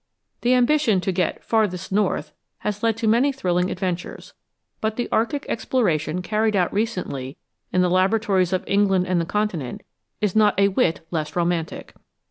The ambition to get "farthest north" has led to many thrilling adventures, but the Arctic exploration carried out recently in the laboratories of England and the Continent is not a whit less romantic.